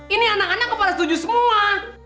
ini anak anaknya pada setuju semua